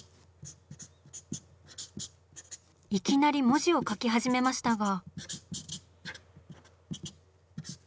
いきなり文字を書き始めましたが。